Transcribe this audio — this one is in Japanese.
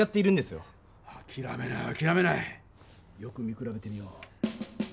よく見くらべてみよう。